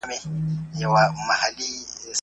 احساساتي ټریډ کول خوښوې